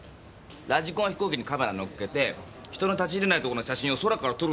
ラジコン飛行機にカメラ乗っけて人の立ち入れないとこの写真を空から撮るんですよ